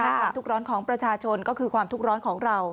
ความทุกข์ร้อนของประชาชนก็คือความทุกข์ร้อนของเรา